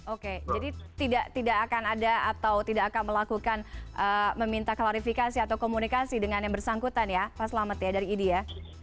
oke jadi tidak akan ada atau tidak akan melakukan meminta klarifikasi atau komunikasi dengan yang bersangkutan ya pak selamet ya dari idi ya